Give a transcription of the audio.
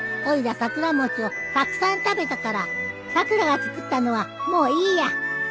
おいら桜餅をたくさん食べたからさくらが作ったのはもういいや。